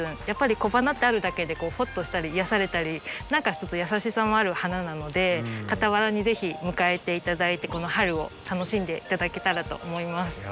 やっぱり小花ってあるだけでほっとしたり癒やされたり何かちょっと優しさもある花なので傍らに是非迎えて頂いてこの春を楽しんで頂けたらと思います。